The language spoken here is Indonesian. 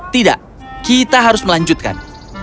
tidak kita harus melanjutkan